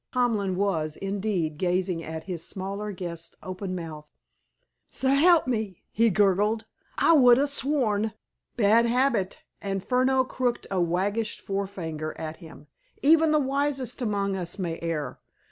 Tomlin was, indeed, gazing at his smaller guest open mouthed. "S'elp me!" he gurgled. "I could ha' sworn—" "Bad habit," and Furneaux crooked a waggish forefinger at him. "Even the wisest among us may err.